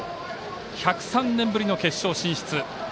１０３年ぶりの決勝進出。